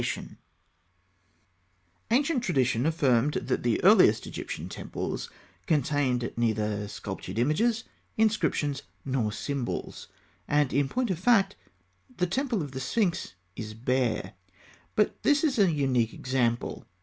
] Ancient tradition affirmed that the earliest Egyptian temples contained neither sculptured images, inscriptions, nor symbols; and in point of fact, the Temple of the Sphinx is bare. But this is a unique example.